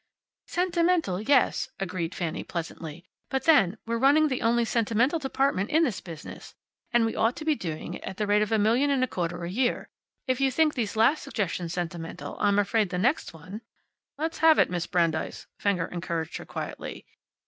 "Sentimental, yes," agreed Fanny pleasantly, "but then, we're running the only sentimental department in this business. And we ought to be doing it at the rate of a million and a quarter a year. If you think these last suggestions sentimental, I'm afraid the next one " "Let's have it, Miss Brandeis," Fenger encouraged her quietly.